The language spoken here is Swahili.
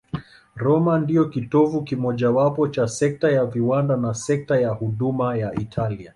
Roma ndiyo kitovu kimojawapo cha sekta ya viwanda na sekta ya huduma ya Italia.